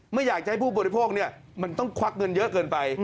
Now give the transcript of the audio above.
ไม่อยากจะให้ผู้บริโภคมันต้องควักเงินเยอะเกินไป